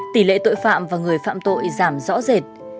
tỷ lệ tội phạm và người phạm tội giảm rõ rệt